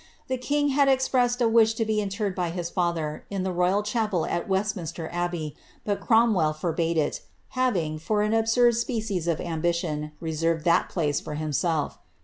The king had expressed a wish to be interred by his father, in the royal chapel at Westminster Abbey, but Cromwell forbade it, having, from an absurd species of am bition, reserved that place for himself.